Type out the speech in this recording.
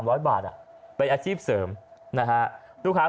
เป็นอาชีพเสริมนะฮะ